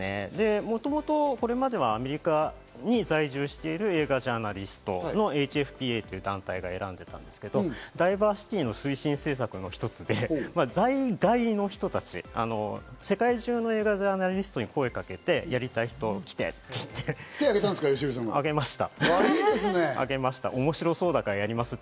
もともとこれまではアメリカに在住している映画ジャーナリストのＨＦＰＡという団体が選んでいたんですけど、ダイバーシティの推進政策の一つで、在外の人たち、世界中のジャーナリストに声をかけてやりたい人、来てって言って手を上げました。